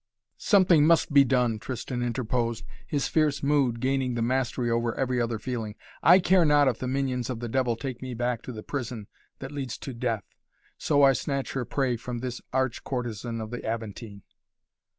"Something must be done," Tristan interposed, his fierce mood gaining the mastery over every other feeling. "I care not if the minions of the devil take me back to the prison that leads to death, so I snatch her prey from this arch courtesan of the Aventine."